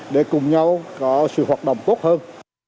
để cùng nhau có sự hoạt động tốt hơn